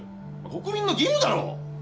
国民の義務だろ！